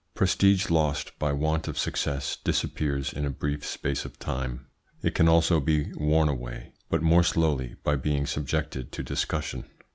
Prestige lost by want of success disappears in a brief space of time. It can also be worn away, but more slowly by being subjected to discussion.